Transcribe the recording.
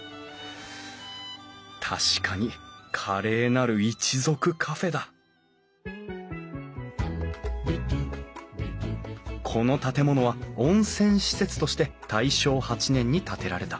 確かに「華麗なる一族カフェ」だこの建物は温泉施設として大正８年に建てられた。